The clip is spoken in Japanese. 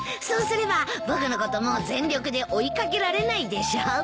そうすれば僕のこともう全力で追い掛けられないでしょ。